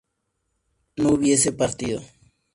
no hubiese partido